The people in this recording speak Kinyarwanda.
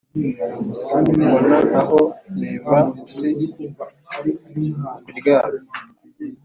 mbona aho ntemba si ukuryama